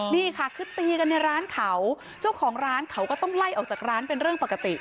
นี่ค่ะคือตีกันในร้านเขาเจ้าของร้านเขาก็ต้องไล่ออกจากร้านเป็นเรื่องปกติ